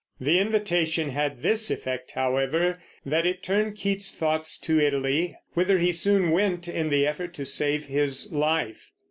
The invitation had this effect, however, that it turned Keats's thoughts to Italy, whither he soon went in the effort to save his life.